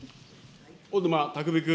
小沼巧君。